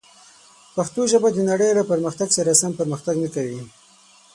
پښتو ژبه د نړۍ له پرمختګ سره سم پرمختګ نه کوي.